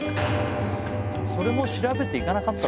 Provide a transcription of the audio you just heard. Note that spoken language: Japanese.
それも調べていかなかった。